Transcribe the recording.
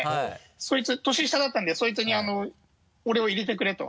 そいつ年下だったんでそいつに俺を入れてくれと。